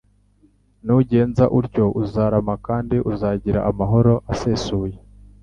Nugenza utyo uzarama kandi uzagira amahoro asesuye.